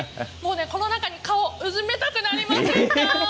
この中に顔、うずめたくなりませんか。